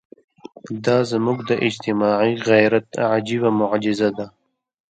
دا زموږ د اجتماعي غیرت عجیبه معجزه ده.